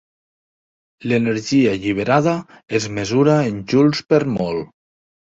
L'energia alliberada es mesura en joules per mol.